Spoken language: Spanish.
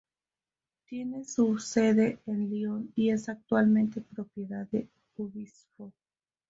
Tiene su sede en Lyon, y es actualmente propiedad de Ubisoft.